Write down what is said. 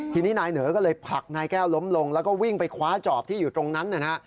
ทีนี้นายเหนอก็เลยผลักนายแก้วล้มลงแล้วก็วิ่งไปคว้าจอบที่อยู่ตรงนั้นนะฮะ